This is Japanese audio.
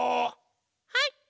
はい！